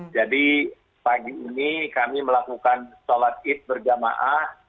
jadi pagi ini kami melakukan sholat id berjamaah